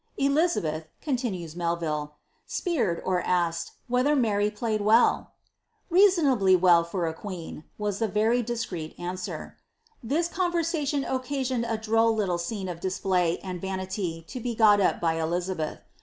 Elizabeth," continuea Melville, " apeered ^askn whether Mary played well." ■• Reasonably well for a queen, was the Tsry diiereet answer. Th conversaiiou oecasioned a droll liiile scene of display and vanilv W t get ,ip !.y Eliznheih.